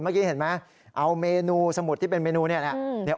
เมื่อกี้เห็นไหมเอาเมนูสมุดที่เป็นเมนูเนี่ยนะ